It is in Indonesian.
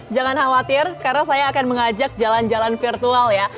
jangan khawatir karena saya akan mengajak jalan jalan virtual ya